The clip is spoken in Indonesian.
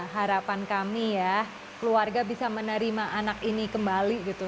harapan kami ya keluarga bisa menerima anak ini kembali gitu